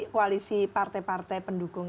koalisi partai partai pendukung